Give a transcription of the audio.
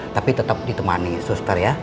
tapi tetap ditemani suster ya